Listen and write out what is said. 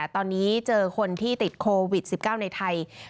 ตอนนี้เจอคนที่ติดโควิด๑๙ในไทย